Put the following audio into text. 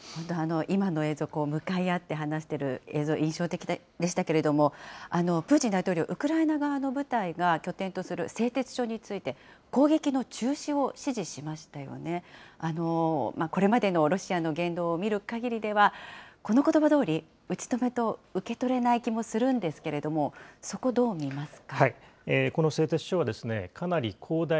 今の映像、向かい合って話している映像、印象的でしたけれども、プーチン大統領、ウクライナ側の部隊が拠点とする製鉄所について、攻撃の中止を指示しましたよね、これまでのロシアの言動を見るかぎりでは、このことばどおり、打ち止めと受け取れない気もするんですけれども、そこ、どう見ますか。